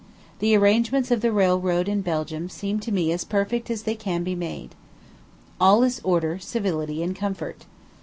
The arrangements of the railroad in Belgium seem to me as perfect as they can be made. All is order, civility, and comfort.